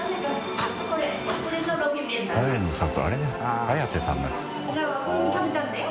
◆舛叩これも食べたんだよ？